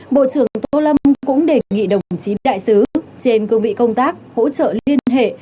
bộ trưởng tô lâm cũng đề nghị đồng chí đại sứ trên cương vị công tác hỗ trợ liên hệ